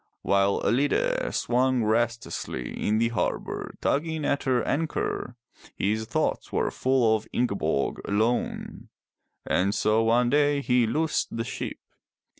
While Ellide swung restlessly in the harbor tugging at her anchor, his thoughts were full of Ingeborg alone. And so one day he loosed the ship.